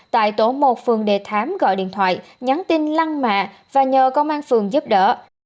tại tổ một phường đề thám gọi điện thoại nhắn tin lăng mạ và nhờ công an phường giúp đỡ